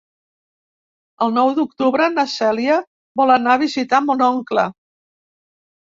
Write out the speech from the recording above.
El nou d'octubre na Cèlia vol anar a visitar mon oncle.